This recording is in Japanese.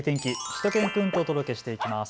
しゅと犬くんとお届けしていきます。